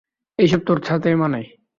এসব তোর সাথেই মানায়।